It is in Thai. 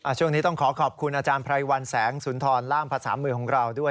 ช่วงนี้ต้องขอขอบคุณอาจารย์ไพรวัลแสงสุนทรล่ามภาษามือของเราด้วย